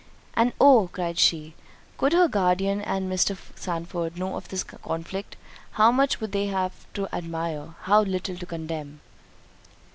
—And, oh!" cried she, "could her guardian and Mr. Sandford know of this conflict, how much would they have to admire; how little to condemn!"